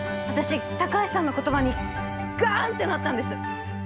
私高橋さんの言葉にガンってなったんです。